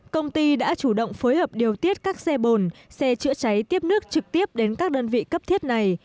công ty đã chủ động phối hợp điều tiết các xe bồn xe chữa cháy tiếp nước trực tiếp đến các đơn vị cấp thiết này